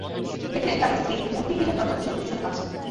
দেখলেন, তাঁর স্ত্রী মূর্তিগৃহের দরজায় বসে উচ্চ স্বরে কাঁদছে।